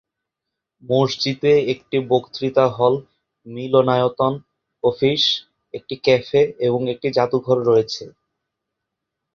মসজিদে একটি বক্তৃতা হল, মিলনায়তন, অফিস, একটি ক্যাফে এবং একটি যাদুঘর রয়েছে।